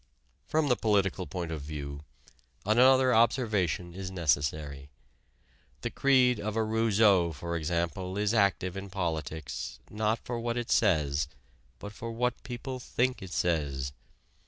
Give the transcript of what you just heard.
From the political point of view, another observation is necessary. The creed of a Rousseau, for example, is active in politics, not for what it says, but for what people think it says.